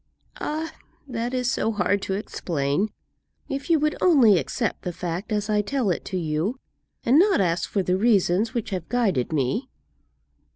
"Ah, that is so hard to explain. If you would only accept the fact as I tell it to you, and not ask for the reasons which have guided me!"